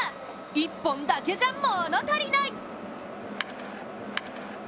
１本だけじゃもの足りない。